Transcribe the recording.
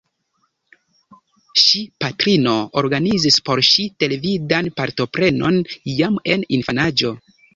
Ŝi patrino organizis por ŝi televidan partoprenon jam en infanaĝo.